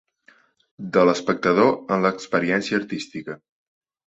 De l'espectador en l'experiència artística.